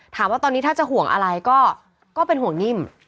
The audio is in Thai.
ถามว่าตอนนี้ถ้าจะห่วงอะไรก็เป็นห่วงนิ่ม